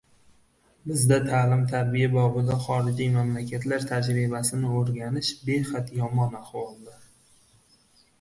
— Bizda ta’lim-tarbiya bobida xorijiy mamlakatlar tajribasini o‘rganish behad yomon ahvolda.